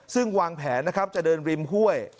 ซึ่งวางแผนจะเดินริมห้วย